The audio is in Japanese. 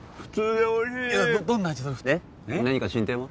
で何か進展は？